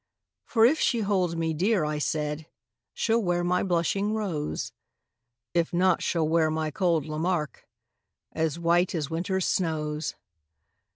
For if she holds me dear, I said, She'll wear my blushing rose; If not, she'll wear my cold Lamarque, As white as winter's snows.